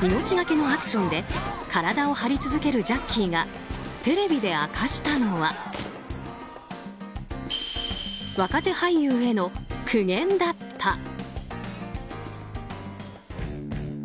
命がけのアクションで体を張り続けるジャッキーがテレビで明かしたのは若手俳優への苦言だった。